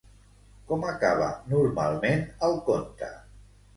Com acaba normalment el conte?